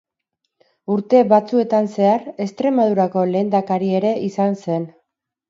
Urte batzuetan zehar, Extremadurako lehendakari ere izan zen.